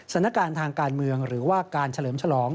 สถานการณ์ทางการเมืองหรือว่าการเฉลิมฉลอง